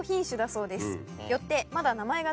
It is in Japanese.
よって。